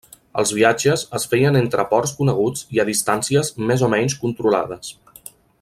Els viatges es feien entre ports coneguts i a distàncies més o menys controlades.